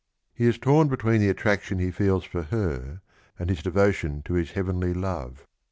He is torn between the attraction that he feels for her, and his devotion to his heavenly love.